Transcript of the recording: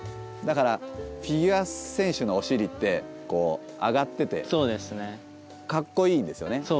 だからフィギュア選手のお尻ってこう上がっててかっこいいんですよね。